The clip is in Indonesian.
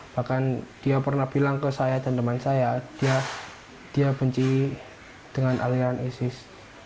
bahkan dia pernah bilang ke saya dan teman saya dia benci dengan aliran isis